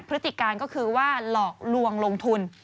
พฤติการก็คือว่าหลอกลวงลงทุน